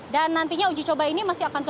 dan nantinya uji coba ini masih akan turun